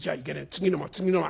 次の間次の間。